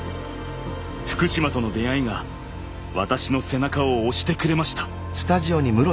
福島との出会いが私の背中を押してくれました。